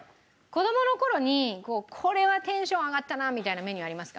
子供の頃にこれはテンション上がったなみたいなメニューありますか？